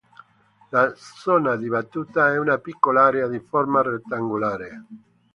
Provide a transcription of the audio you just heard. La zona di battuta è una piccola area di forma rettangolare.